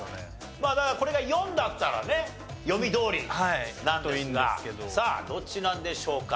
まあだからこれが４だったらね読みどおりなんですがさあどっちなんでしょうか？